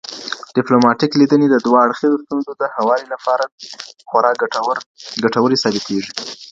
ډیپلوماټیک ليدني د دوه اړخیزو ستونزو د هواري لپاره خورا ګټوري ثابتیږي.